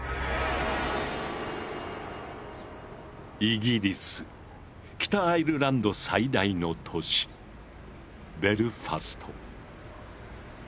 イギリス北アイルランド最大の都市ベルファスト。